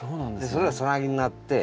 それがサナギになって。